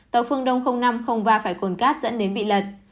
tàu phương đông năm mươi va phải cồn cắt dẫn đến bị lật